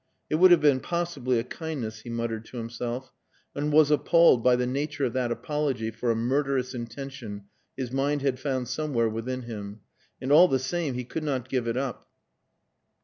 "It would have been possibly a kindness," he muttered to himself, and was appalled by the nature of that apology for a murderous intention his mind had found somewhere within him. And all the same he could not give it up.